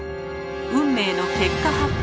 運命の結果発表。